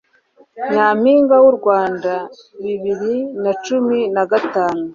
Nyampinga w'u Rwanda bibiri na cumi na gatanu